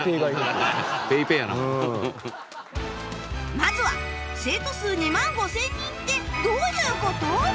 まずは生徒数２万５０００人ってどういう事？